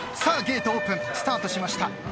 さあゲートオープンスタートしました。